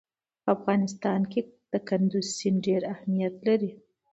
په افغانستان کې کندز سیند ډېر اهمیت لري.